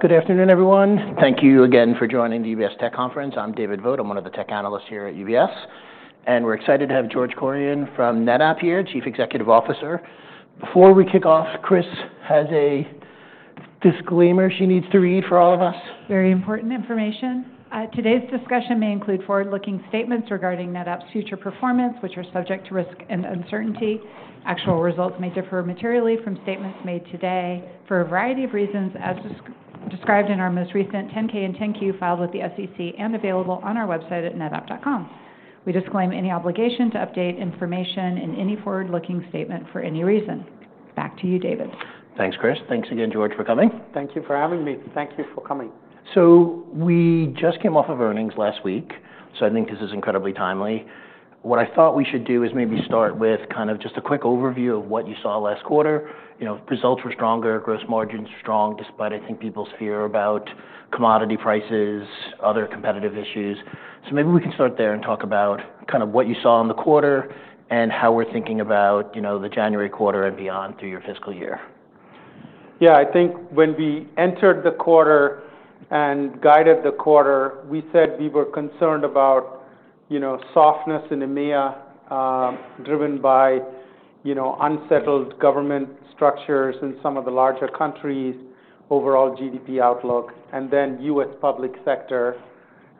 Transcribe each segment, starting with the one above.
Good afternoon, everyone. Thank you again for joining the UBS Tech Conference. I'm David Vogt. I'm one of the tech analysts here at UBS, and we're excited to have George Kurian from NetApp here, Chief Executive Officer. Before we kick off, Kris has a disclaimer she needs to read for all of us. Very important information. Today's discussion may include forward-looking statements regarding NetApp's future performance, which are subject to risk and uncertainty. Actual results may differ materially from statements made today for a variety of reasons, as described in our most recent 10-K and 10-Q filed with the SEC and available on our website at netapp.com. We disclaim any obligation to update information in any forward-looking statement for any reason. Back to you, David. Thanks, Kris. Thanks again, George, for coming. Thank you for having me, and thank you for coming. So we just came off of earnings last week, so I think this is incredibly timely. What I thought we should do is maybe start with kind of just a quick overview of what you saw last quarter. Results were stronger and gross margins strong, despite, I think, people's fear about commodity prices, other competitive issues. So maybe we can start there and talk about kind of what you saw in the quarter and how we're thinking about the January quarter and beyond through your fiscal year. Yeah, I think when we entered the quarter and guided the quarter, we said we were concerned about softness in EMEA, driven by unsettled government structures in some of the larger countries, overall GDP outlook, and then U.S. public sector.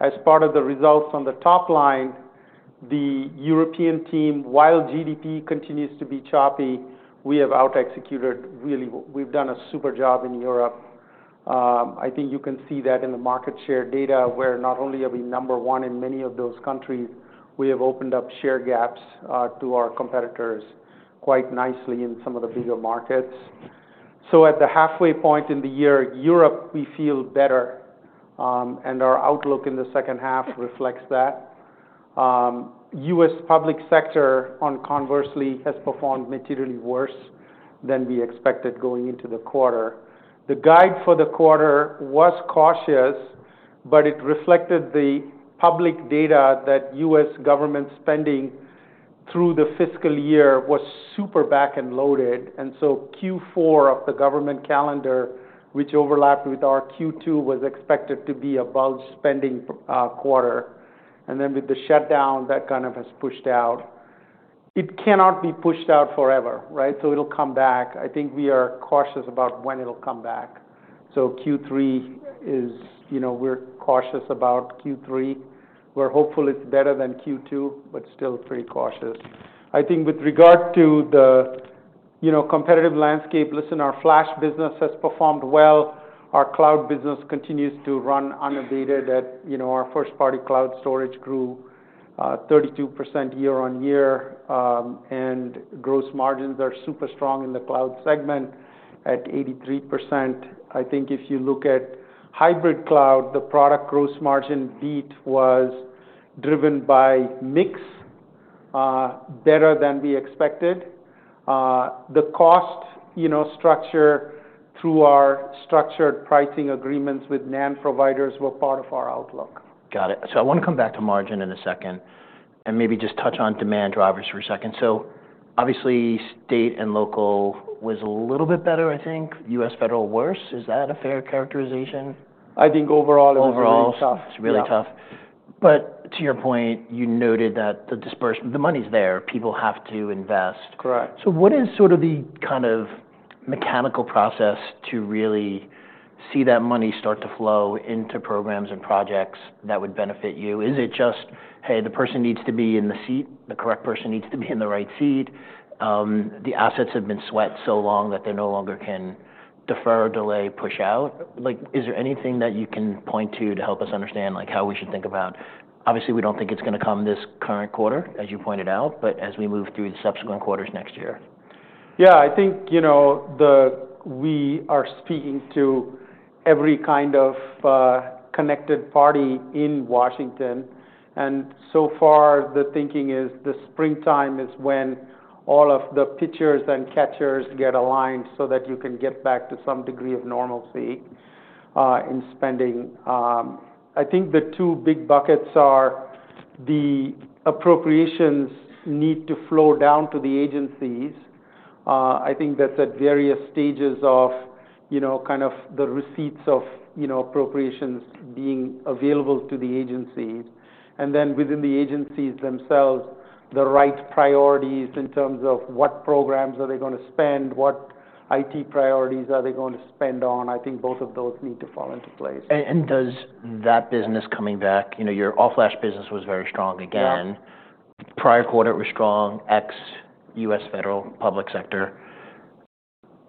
As part of the results on the top line, the European team, while GDP continues to be choppy, we have out-executed really, we've done a super job in Europe. I think you can see that in the market share data, where not only are we number one in many of those countries, we have opened up share gaps to our competitors quite nicely in some of the bigger markets. So at the halfway point in the year, Europe, we feel better, and our outlook in the second half reflects that. U.S. public sector, conversely, has performed materially worse than we expected going into the quarter. The guide for the quarter was cautious, but it reflected the public data that U.S. government spending through the fiscal year was super back and loaded. And so Q4 of the government calendar, which overlapped with our Q2, was expected to be a bulge spending quarter. And then with the shutdown, that kind of has pushed out. It cannot be pushed out forever, right? So it'll come back. I think we are cautious about when it'll come back. So Q3, we're cautious about Q3. We're hopeful it's better than Q2, but still pretty cautious. I think with regard to the competitive landscape, listen, our flash business has performed well. Our cloud business continues to run unabated. Our first-party cloud storage grew 32% year-on-year, and gross margins are super strong in the cloud segment at 83%. I think if you look at hybrid cloud, the product gross margin beat was driven by mix better than we expected. The cost structure through our structured pricing agreements with NAND providers were part of our outlook. Got it. So I want to come back to margin in a second and maybe just touch on demand drivers for a second. So obviously, state and local was a little bit better, I think. U.S. federal worse. Is that a fair characterization? I think overall it was really tough. Overall, it's really tough. But to your point, you noted that the dispersion, the money's there. People have to invest. Correct. So what is sort of the kind of mechanical process to really see that money start to flow into programs and projects that would benefit you? Is it just, hey, the person needs to be in the seat, the correct person needs to be in the right seat? The assets have been swept so long that they no longer can defer or delay, push out. Is there anything that you can point to to help us understand how we should think about? Obviously, we don't think it's going to come this current quarter, as you pointed out, but as we move through the subsequent quarters next year. Yeah, I think we are speaking to every kind of connected party in Washington, D.C. And so far, the thinking is the springtime is when all of the pitchers and catchers get aligned so that you can get back to some degree of normalcy in spending. I think the two big buckets are the appropriations need to flow down to the agencies. I think that's at various stages of kind of the receipts of appropriations being available to the agencies. And then within the agencies themselves, the right priorities in terms of what programs are they going to spend, what IT priorities are they going to spend on, I think both of those need to fall into place. And does that business coming back? Your all-flash business was very strong again. Prior quarter it was strong, ex-U.S. federal public sector.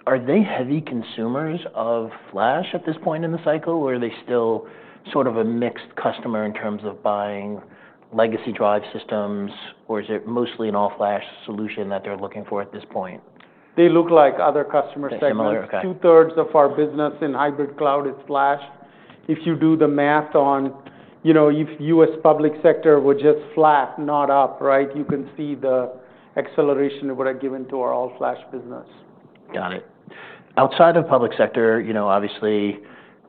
Are they heavy consumers of flash at this point in the cycle, or are they still sort of a mixed customer in terms of buying legacy drive systems, or is it mostly an all-flash solution that they're looking for at this point? They look like other customer segments. They're similar. Okay. Two-thirds of our business in hybrid cloud is flash. If you do the math on if U.S. public sector were just flat, not up, right, you can see the acceleration of what I've given to our all-flash business. Got it. Outside of public sector, obviously,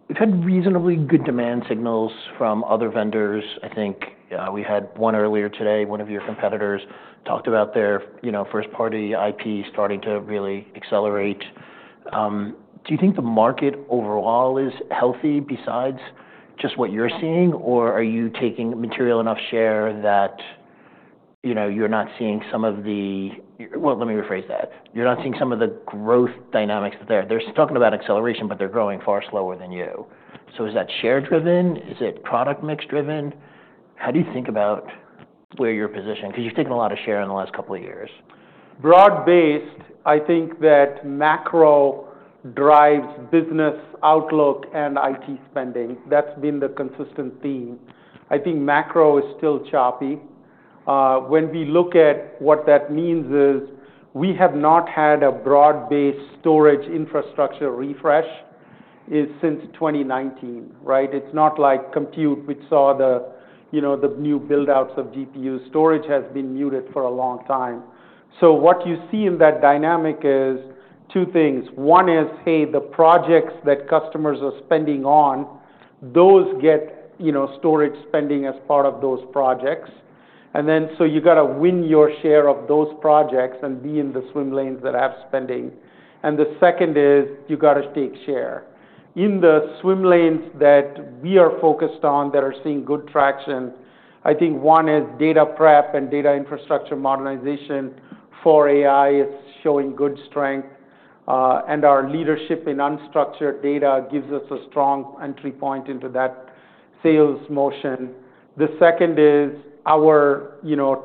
we've had reasonably good demand signals from other vendors. I think we had one earlier today. One of your competitors talked about their first-party IP starting to really accelerate. Do you think the market overall is healthy besides just what you're seeing, or are you taking material enough share that you're not seeing some of the, well, let me rephrase that. You're not seeing some of the growth dynamics that they're talking about acceleration, but they're growing far slower than you. So is that share-driven? Is it product mix driven? How do you think about where you're positioned? Because you've taken a lot of share in the last couple of years. Broad-based, I think that macro drives business outlook and IT spending. That's been the consistent theme. I think macro is still choppy. When we look at what that means is we have not had a broad-based storage infrastructure refresh since 2019, right? It's not like compute, which saw the new buildouts of GPUs. Storage has been muted for a long time. So what you see in that dynamic is two things. One is, hey, the projects that customers are spending on, those get storage spending as part of those projects. And then so you got to win your share of those projects and be in the swim lanes that have spending. And the second is you got to take share. In the swim lanes that we are focused on that are seeing good traction, I think one is data prep and data infrastructure modernization for AI is showing good strength, and our leadership in unstructured data gives us a strong entry point into that sales motion. The second is our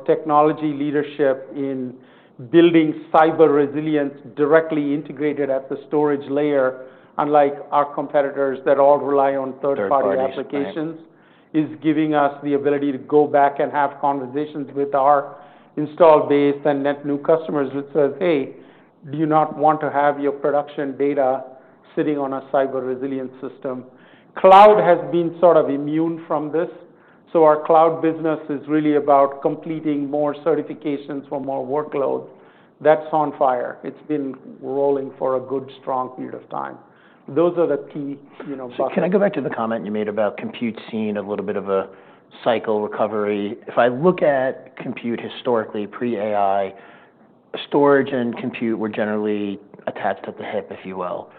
technology leadership in building cyber resilience directly integrated at the storage layer, unlike our competitors that all rely on third-party applications, is giving us the ability to go back and have conversations with our installed base and net new customers that says, "hey, do you not want to have your production data sitting on a cyber resilience system." Cloud has been sort of immune from this. So our cloud business is really about completing more certifications for more workload. That's on fire. It's been rolling for a good, strong period of time. Those are the key buckets. Can I go back to the comment you made about compute seeing a little bit of a cycle recovery? If I look at compute historically, pre-AI, storage and compute were generally attached at the hip, if you will.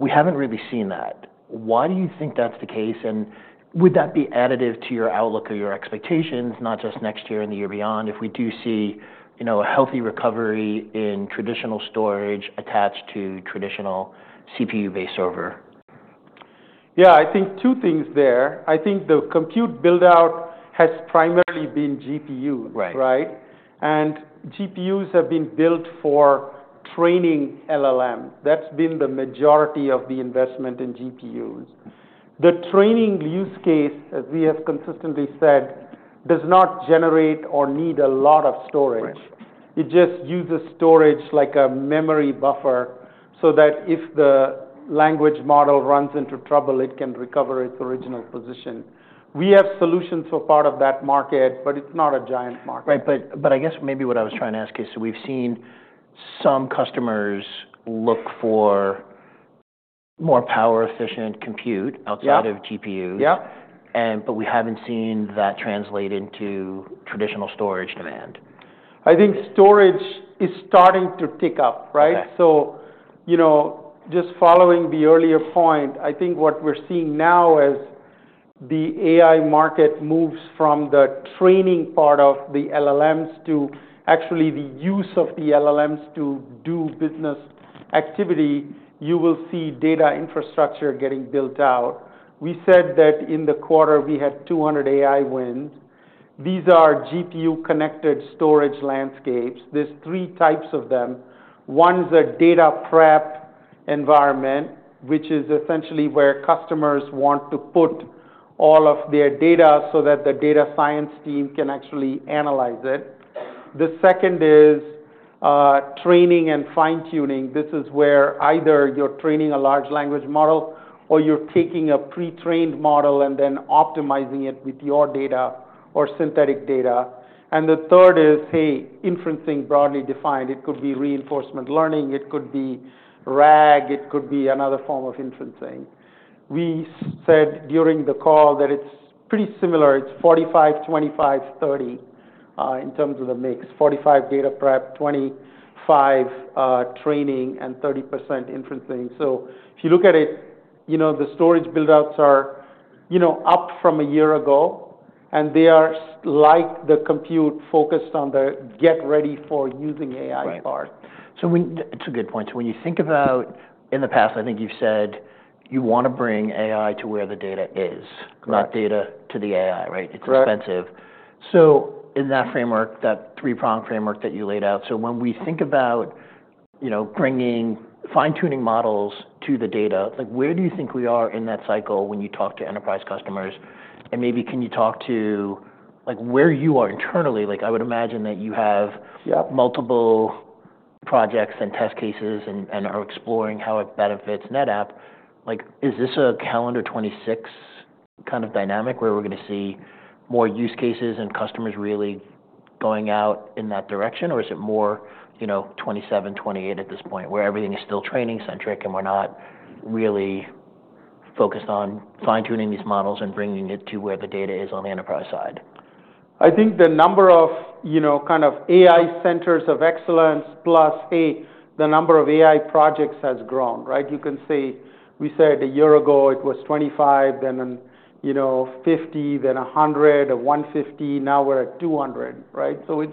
We haven't really seen that. Why do you think that's the case, and would that be additive to your outlook or your expectations, not just next year and the year beyond, if we do see a healthy recovery in traditional storage attached to traditional CPU-based server? Yeah, I think two things there. I think the compute buildout has primarily been GPU, right? And GPUs have been built for training LLM. That's been the majority of the investment in GPUs. The training use case, as we have consistently said, does not generate or need a lot of storage. It just uses storage like a memory buffer so that if the language model runs into trouble, it can recover its original position. We have solutions for part of that market, but it's not a giant market. Right, but I guess maybe what I was trying to ask is we've seen some customers look for more power-efficient compute outside of GPUs, but we haven't seen that translate into traditional storage demand. I think storage is starting to tick up, right? So just following the earlier point, I think what we're seeing now is the AI market moves from the training part of the LLMs to actually the use of the LLMs to do business activity. You will see data infrastructure getting built out. We said that in the quarter we had 200 AI wins. These are GPU-connected storage landscapes. There's three types of them. One's a data prep environment, which is essentially where customers want to put all of their data so that the data science team can actually analyze it. The second is training and fine-tuning. This is where either you're training a large language model or you're taking a pre-trained model and then optimizing it with your data or synthetic data. And the third is, hey, inferencing broadly defined. It could be reinforcement learning. It could be RAG. It could be another form of inferencing. We said during the call that it's pretty similar. It's 45%, 25%, 30% in terms of the mix: 45% data prep, 25% training, and 30% inferencing. So if you look at it, the storage buildouts are up from a year ago, and they are like the compute focused on the get ready for using AI part. Right. So it's a good point. So when you think about in the past, I think you've said you want to bring AI to where the data is, not data to the AI, right? It's expensive. So in that framework, that three-prong framework that you laid out, so when we think about bringing fine-tuning models to the data, where do you think we are in that cycle when you talk to enterprise customers? And maybe can you talk to where you are internally? I would imagine that you have multiple projects and test cases and are exploring how it benefits NetApp. Is this a calendar 2026 kind of dynamic where we're going to see more use cases and customers really going out in that direction, or is it more 2027, 2028 at this point where everything is still training-centric and we're not really focused on fine-tuning these models and bringing it to where the data is on the enterprise side? I think the number of kind of AI centers of excellence plus, hey, the number of AI projects has grown, right? You can see we said a year ago it was 25, then 50, then 100, 150. Now we're at 200, right? So it's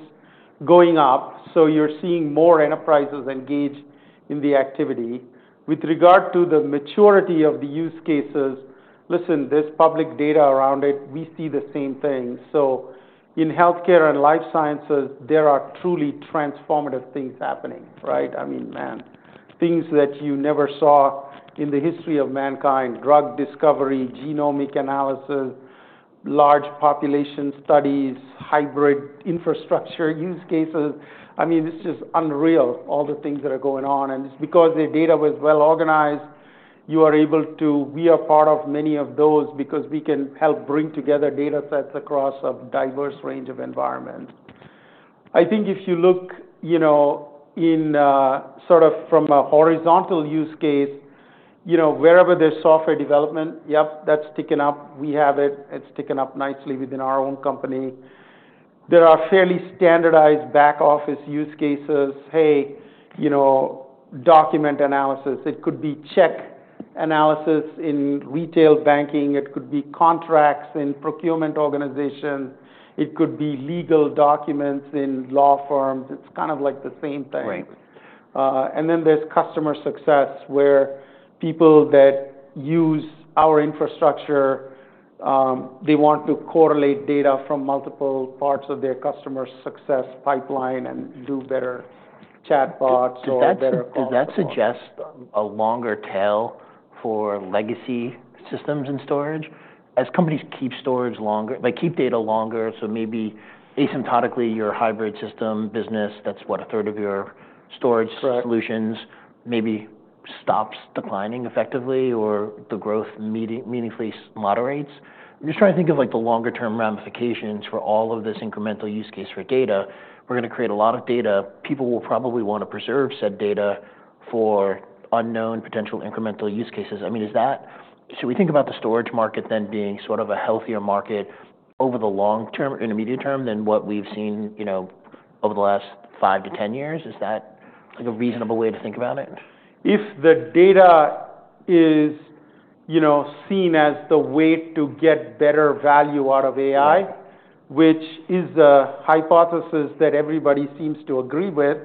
going up. So you're seeing more enterprises engaged in the activity. With regard to the maturity of the use cases, listen, there's public data around it. We see the same thing. So in healthcare and life sciences, there are truly transformative things happening, right? I mean, man, things that you never saw in the history of mankind: drug discovery, genomic analysis, large population studies, hybrid infrastructure use cases. I mean, it's just unreal, all the things that are going on. And it's because the data was well organized, you are able to, we are part of many of those because we can help bring together data sets across a diverse range of environments. I think if you look in sort of from a horizontal use case, wherever there's software development, yep, that's ticking up. We have it. It's ticking up nicely within our own company. There are fairly standardized back office use cases. Hey, document analysis. It could be check analysis in retail banking. It could be contracts in procurement organizations. It could be legal documents in law firms. It's kind of like the same thing. And then there's customer success where people that use our infrastructure, they want to correlate data from multiple parts of their customer success pipeline and do better chatbots or better calls. Does that suggest a longer tail for legacy systems and storage? As companies keep storage longer, keep data longer, so maybe asymptotically your hybrid system business, that's what, a third of your storage solutions maybe stops declining effectively or the growth meaningfully moderates. I'm just trying to think of the longer-term ramifications for all of this incremental use case for data. We're going to create a lot of data. People will probably want to preserve said data for unknown potential incremental use cases. I mean, should we think about the storage market then being sort of a healthier market over the long-term or intermediate term than what we've seen over the last five to 10 years? Is that a reasonable way to think about it? If the data is seen as the way to get better value out of AI, which is a hypothesis that everybody seems to agree with,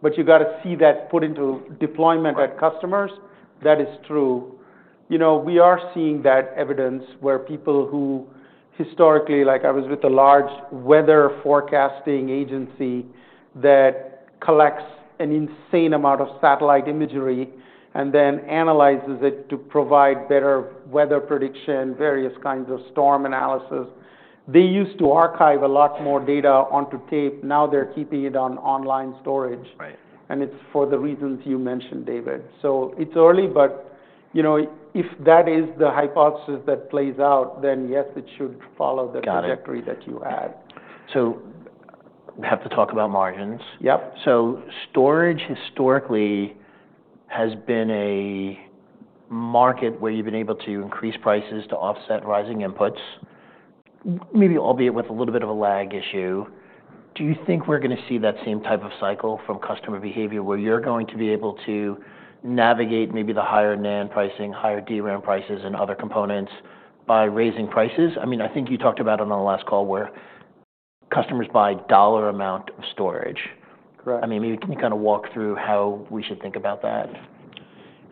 but you got to see that put into deployment at customers, that is true. We are seeing that evidence where people who historically, like I was with a large weather forecasting agency that collects an insane amount of satellite imagery and then analyzes it to provide better weather prediction, various kinds of storm analysis. They used to archive a lot more data onto tape. Now they're keeping it on online storage. And it's for the reasons you mentioned, David. So it's early, but if that is the hypothesis that plays out, then yes, it should follow the trajectory that you had. Got it. So we have to talk about margins. So storage historically has been a market where you've been able to increase prices to offset rising inputs, maybe albeit with a little bit of a lag issue. Do you think we're going to see that same type of cycle from customer behavior where you're going to be able to navigate maybe the higher NAND pricing, higher DRAM prices, and other components by raising prices? I mean, I think you talked about it on the last call where customers buy dollar amount of storage. I mean, can you kind of walk through how we should think about that?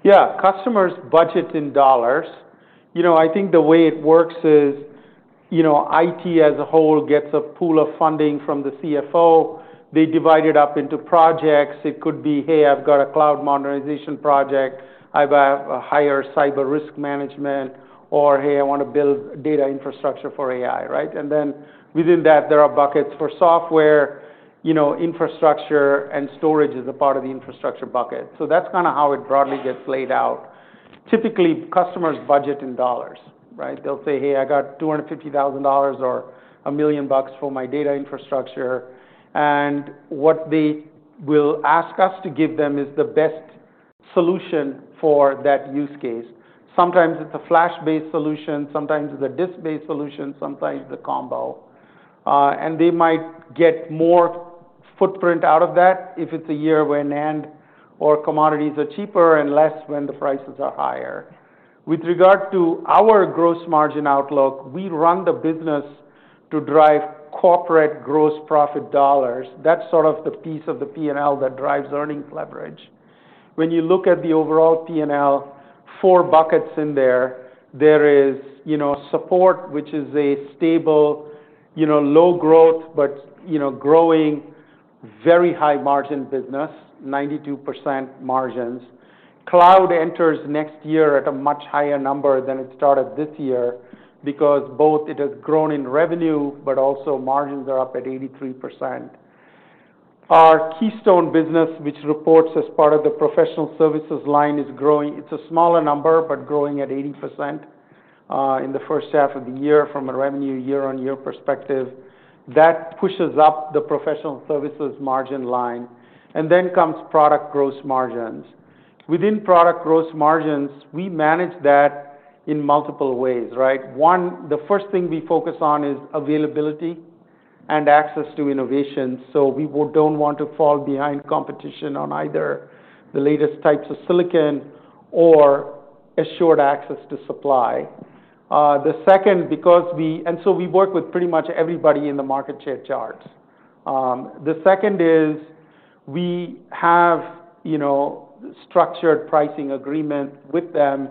Yeah. Customers budget in dollars. I think the way it works is IT as a whole gets a pool of funding from the CFO. They divide it up into projects. It could be, "Hey, I've got a cloud modernization project. I have a higher cyber risk management," or, "Hey, I want to build data infrastructure for AI," right? And then within that, there are buckets for software infrastructure, and storage is a part of the infrastructure bucket. So that's kind of how it broadly gets laid out. Typically, customers budget in dollars, right? They'll say, "Hey, I got $250,000 or $1 million for my data infrastructure." And what they will ask us to give them is the best solution for that use case. Sometimes it's a flash-based solution. Sometimes it's a disk-based solution. Sometimes it's a combo. And they might get more footprint out of that if it's a year when NAND or commodities are cheaper and less when the prices are higher. With regard to our gross margin outlook, we run the business to drive corporate gross profit dollars. That's sort of the piece of the P&L that drives earnings leverage. When you look at the overall P&L, four buckets in there. There is support, which is a stable, low-growth but growing, very high-margin business, 92% margins. Cloud enters next year at a much higher number than it started this year because both it has grown in revenue, but also margins are up at 83%. Our Keystone business, which reports as part of the professional services line, is growing. It's a smaller number, but growing at 80% in the first half of the year from a revenue year-on-year perspective. That pushes up the professional services margin line. And then comes product gross margins. Within product gross margins, we manage that in multiple ways, right? One, the first thing we focus on is availability and access to innovation. So we don't want to fall behind competition on either the latest types of silicon or assured access to supply. The second, because we and so we work with pretty much everybody in the market share charts. The second is we have structured pricing agreement with them.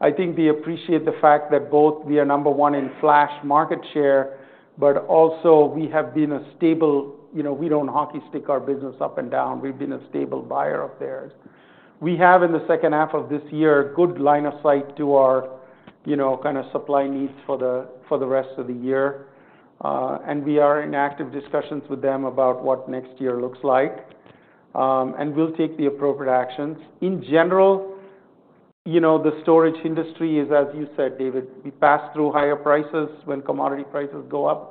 I think they appreciate the fact that both we are number one in flash market share, but also we have been a stable, we don't hockey stick our business up and down. We've been a stable buyer of theirs. We have, in the second half of this year, a good line of sight to our kind of supply needs for the rest of the year. And we are in active discussions with them about what next year looks like. And we'll take the appropriate actions. In general, the storage industry is, as you said, David, we pass through higher prices when commodity prices go up.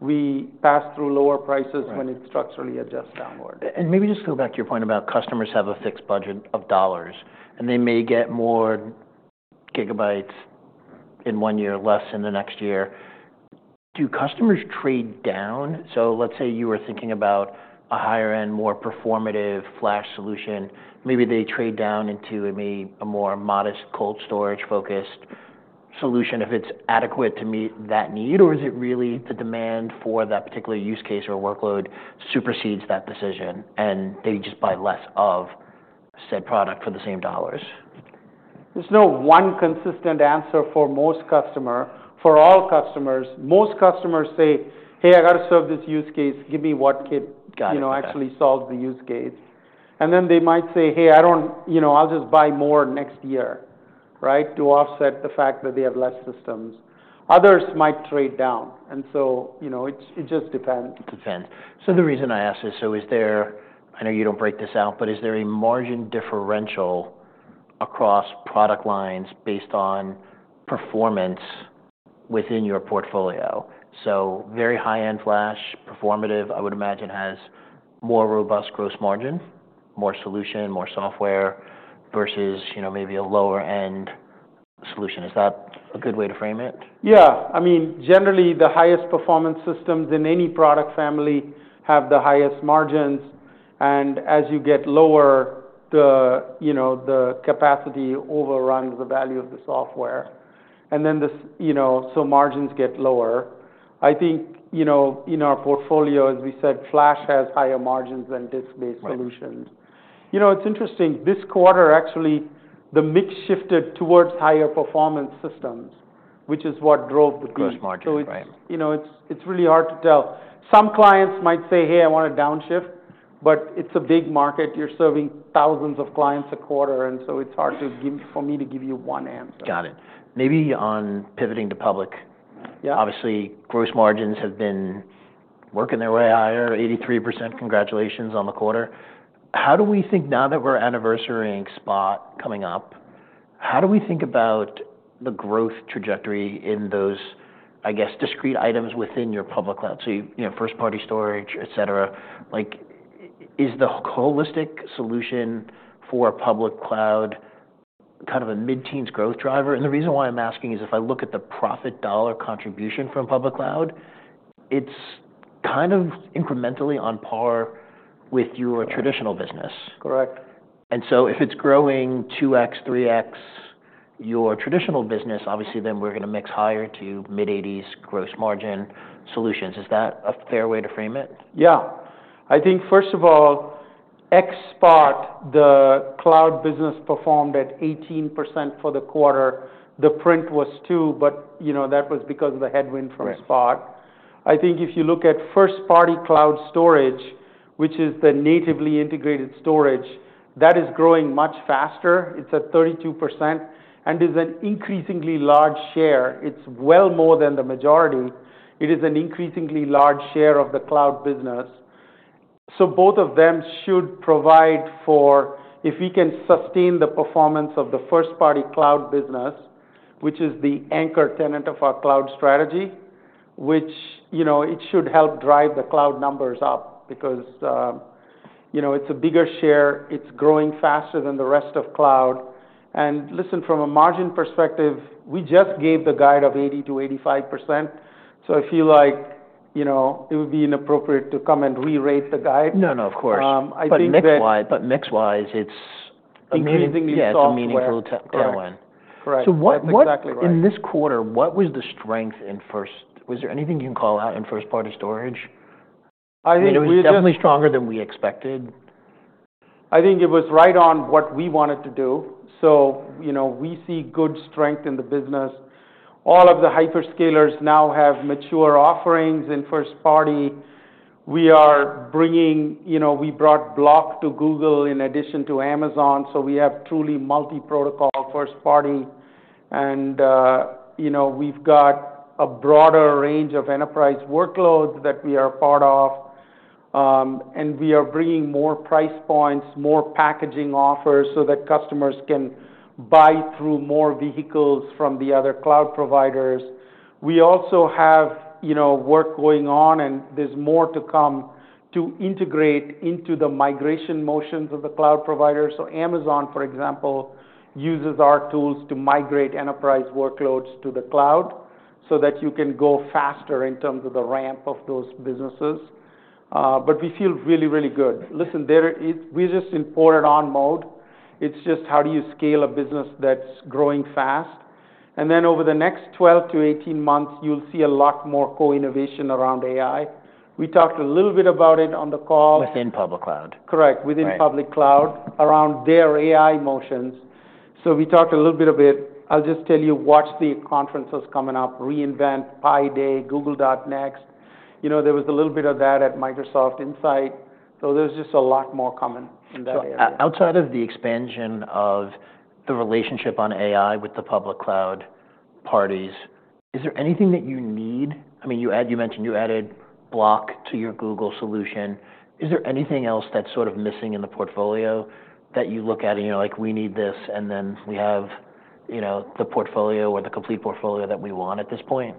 We pass through lower prices when it's structurally adjusted downward. Maybe just go back to your point about customers have a fixed budget of dollars, and they may get more GB in one year, less in the next year. Do customers trade down? Let's say you were thinking about a higher-end, more performative flash solution. Maybe they trade down into maybe a more modest cold storage-focused solution if it's adequate to meet that need, or is it really the demand for that particular use case or workload supersedes that decision, and they just buy less of said product for the same dollars? There's no one consistent answer for most customers, for all customers. Most customers say, "Hey, I got to serve this use case. Give me what can actually solve the use case." And then they might say, "Hey, I'll just buy more next year," right, to offset the fact that they have less systems. Others might trade down, and so it just depends. It depends. So the reason I ask this, so is there, I know you don't break this out, but is there a margin differential across product lines based on performance within your portfolio? So very high-end flash performance, I would imagine, has more robust gross margin, more solution, more software versus maybe a lower-end solution. Is that a good way to frame it? Yeah. I mean, generally, the highest performance systems in any product family have the highest margins. And as you get lower, the capacity overruns the value of the software. And then so margins get lower. I think in our portfolio, as we said, flash has higher margins than disk-based solutions. It's interesting. This quarter, actually, the mix shifted towards higher performance systems, which is what drove the peak. Gross margin frame. So it's really hard to tell. Some clients might say, "Hey, I want to downshift," but it's a big market. You're serving thousands of clients a quarter, and so it's hard for me to give you one answer. Got it. Maybe on pivoting to public, obviously, gross margins have been working their way higher, 83%. Congratulations on the quarter. How do we think now that we're anniversarying spot coming up, how do we think about the growth trajectory in those, I guess, discrete items within your public cloud? So first-party storage, etc. Is the holistic solution for public cloud kind of a mid-teens growth driver? And the reason why I'm asking is if I look at the profit dollar contribution from public cloud, it's kind of incrementally on par with your traditional business. Correct. And so if it's growing 2x, 3x your traditional business, obviously, then we're going to mix higher to mid-80s gross margin solutions. Is that a fair way to frame it? Yeah. I think, first of all, ex Spot, the cloud business performed at 18% for the quarter. The print was 2%, but that was because of the headwind from Spot. I think if you look at first-party cloud storage, which is the natively integrated storage, that is growing much faster. It's at 32% and is an increasingly large share. It's well more than the majority. It is an increasingly large share of the cloud business. So both of them should provide for, if we can sustain the performance of the first-party cloud business, which is the anchor tenet of our cloud strategy, which it should help drive the cloud numbers up because it's a bigger share. It's growing faster than the rest of cloud. And listen, from a margin perspective, we just gave the guide of 80% to 85%. I feel like it would be inappropriate to come and re-rate the guide. No, no, of course. But mix-wise, it's amazingly still meaningful to everyone. Correct. Correct. That's exactly right. So in this quarter, what was the strength in first-party? Was there anything you can call out in first-party storage? We're definitely stronger than we expected. I think it was right on what we wanted to do. So we see good strength in the business. All of the hyperscalers now have mature offerings in first-party. We are bringing, we brought block to Google in addition to Amazon. So we have truly multi-protocol first-party. And we've got a broader range of enterprise workloads that we are part of. And we are bringing more price points, more packaging offers so that customers can buy through more vehicles from the other cloud providers. We also have work going on, and there's more to come to integrate into the migration motions of the cloud providers. So Amazon, for example, uses our tools to migrate enterprise workloads to the cloud so that you can go faster in terms of the ramp of those businesses. But we feel really, really good. Listen, we're just in full-on mode. It's just, how do you scale a business that's growing fast? And then over the next 12 months to 18 months, you'll see a lot more co-innovation around AI. We talked a little bit about it on the call. Within public cloud. Correct. Within public cloud around their AI motions, so we talked a little bit of it. I'll just tell you, watch the conferences coming up: Reinvent, Pi Day, Google Next. There was a little bit of that at Microsoft Insight, so there's just a lot more coming in that area. So outside of the expansion of the relationship on AI with the public cloud partners, is there anything that you need? I mean, you mentioned you added block to your Google solution. Is there anything else that's sort of missing in the portfolio that you look at and you're like, "We need this," and then we have the portfolio or the complete portfolio that we want at this point?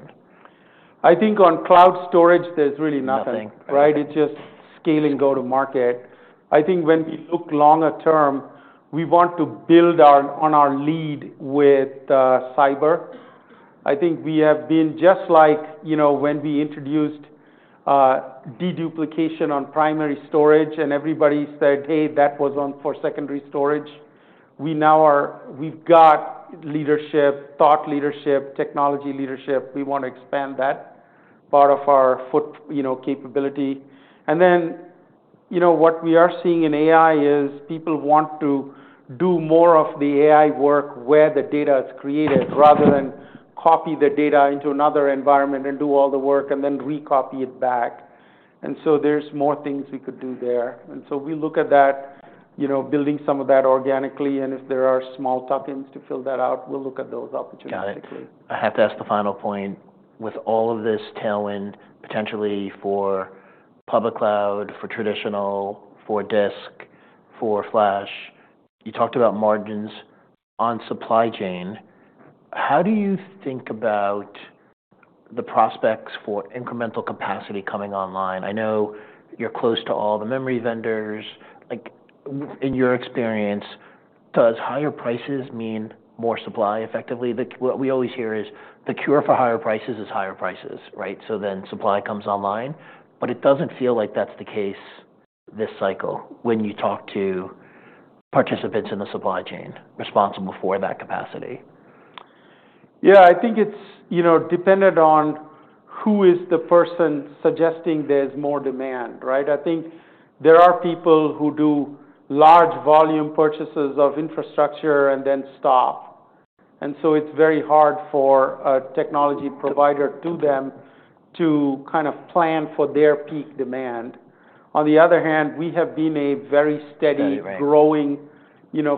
I think on cloud storage, there's really nothing, right? It's just scaling go-to-market. I think when we look longer term, we want to build on our lead with cyber. I think we have been just like when we introduced deduplication on primary storage and everybody said, "Hey, that was on for secondary storage." We've got leadership, thought leadership, technology leadership. We want to expand that part of our capability. And then what we are seeing in AI is people want to do more of the AI work where the data is created rather than copy the data into another environment and do all the work and then recopy it back. And so there's more things we could do there. And so we look at that, building some of that organically. And if there are small tuck-ins to fill that out, we'll look at those opportunistically. Got it. I have to ask the final point. With all of this tailwind potentially for public cloud, for traditional, for disk, for flash, you talked about margins on supply chain. How do you think about the prospects for incremental capacity coming online? I know you're close to all the memory vendors. In your experience, does higher prices mean more supply effectively? What we always hear is the cure for higher prices is higher prices, right? So then supply comes online. But it doesn't feel like that's the case this cycle when you talk to participants in the supply chain responsible for that capacity. Yeah. I think it's dependent on who is the person suggesting there's more demand, right? I think there are people who do large volume purchases of infrastructure and then stop. And so it's very hard for a technology provider to them to kind of plan for their peak demand. On the other hand, we have been a very steady, growing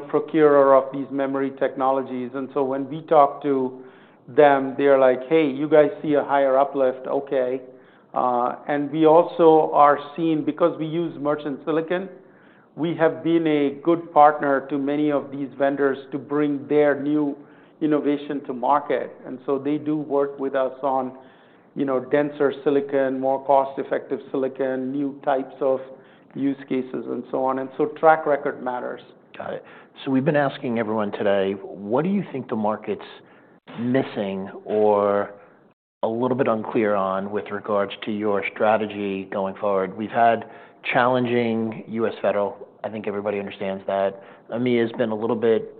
procurer of these memory technologies. And so when we talk to them, they're like, "Hey, you guys see a higher uplift? Okay." And we also are seen because we use merchant silicon. We have been a good partner to many of these vendors to bring their new innovation to market. And so they do work with us on denser silicon, more cost-effective silicon, new types of use cases, and so on. And so track record matters. Got it. So we've been asking everyone today, what do you think the market's missing or a little bit unclear on with regards to your strategy going forward? We've had challenging U.S. federal. I think everybody understands that. I mean, it has been a little bit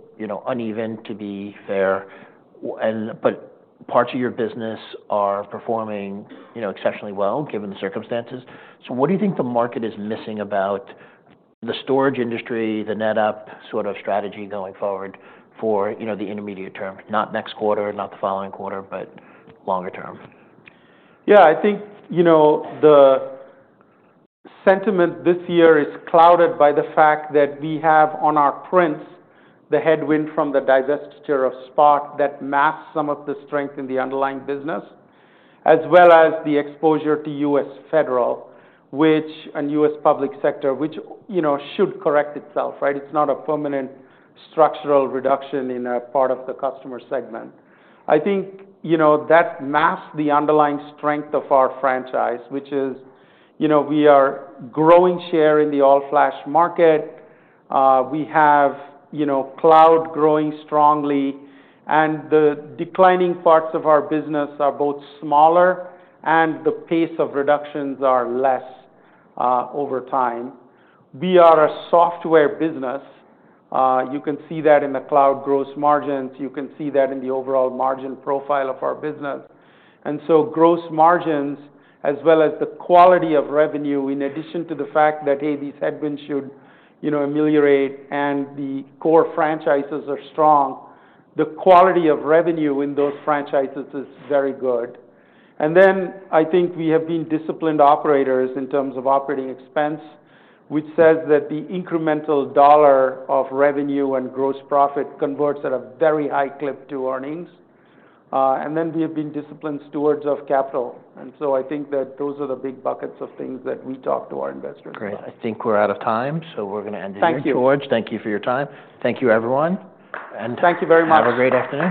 uneven, to be fair. But parts of your business are performing exceptionally well given the circumstances. So what do you think the market is missing about the storage industry, the NetApp sort of strategy going forward for the intermediate term? Not next quarter, not the following quarter, but longer term. Yeah. I think the sentiment this year is clouded by the fact that we have on our prints the headwind from the divestiture of spot that masks some of the strength in the underlying business, as well as the exposure to U.S. Federal and U.S. public sector, which should correct itself, right? It's not a permanent structural reduction in a part of the customer segment. I think that masks the underlying strength of our franchise, which is we are growing share in the all-flash market. We have cloud growing strongly, and the declining parts of our business are both smaller, and the pace of reductions are less over time. We are a software business. You can see that in the cloud gross margins. You can see that in the overall margin profile of our business. And so gross margins, as well as the quality of revenue, in addition to the fact that, hey, these headwinds should ameliorate and the core franchises are strong, the quality of revenue in those franchises is very good. And then I think we have been disciplined operators in terms of operating expense, which says that the incremental dollar of revenue and gross profit converts at a very high clip to earnings. And then we have been disciplined stewards of capital. And so I think that those are the big buckets of things that we talk to our investors. Great. I think we're out of time, so we're going to end it here, George. Thank you. Thank you for your time. Thank you, everyone. Thank you very much. Have a great afternoon.